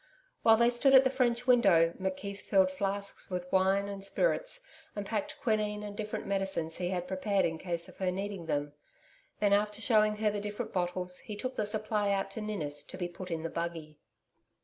While they stood at the French window, McKeith filled flasks with wine and spirits, and packed quinine and different medicines he had prepared in case of her needing them. Then after shewing her the different bottles, he took the supply out to Ninnis to be put in the buggy.